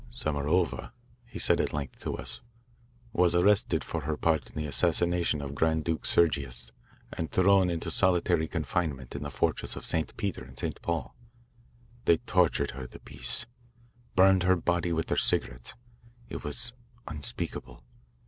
"Samarova," he said at length to us, "was arrested for her part in the assassination of Grand Duke Sergius and thrown into solitary confinement in the fortress of St. Peter and St. Paul. They tortured her, the beasts burned her body with their cigarettes. It was unspeakable.